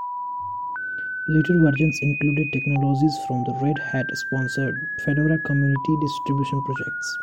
Later versions included technologies from the Red Hat-sponsored Fedora community distribution project.